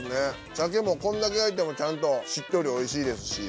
鮭もこんだけ焼いてもちゃんとしっとりおいしいですし。